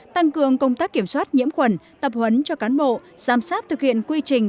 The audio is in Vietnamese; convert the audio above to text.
tăng cường công tác kiểm soát nhiễm khuẩn tập huấn cho cán bộ giám sát thực hiện quy trình